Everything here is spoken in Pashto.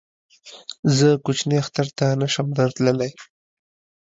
زه کوچني اختر ته نه شم در تللی